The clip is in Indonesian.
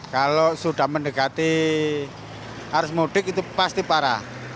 kalau sudah mendekati arus mudik itu pasti parah